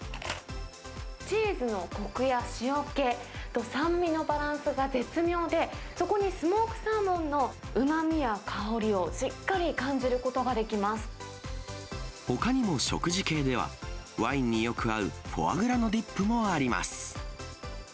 チーズのこくや塩けと酸味のバランスが絶妙で、そこにスモークサーモンのうまみや香りをしっほかにも食事系では、ワインによく合うフォアグラのディップもあります。